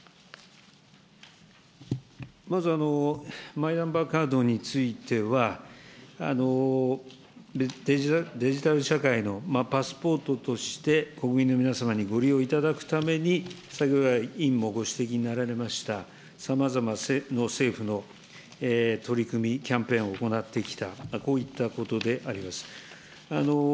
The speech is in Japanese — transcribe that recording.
まずマイナンバーカードについては、デジタル社会のパスポートとして、国民の皆様にご利用いただくために、先ほど来、委員もご指摘になられました、さまざまな政府の取り組み、キャンペーンを行ってきた、こういったことであります。